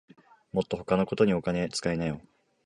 もっと他のことにお金つかいなよ